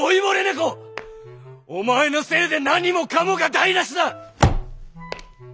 お前のせいで何もかもが台なしだ！